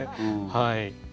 はい。